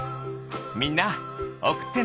みんなおくってね！